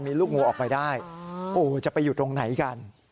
มีลูกงูออกไปได้โอ้จะไปอยู่ตรงไหนกัน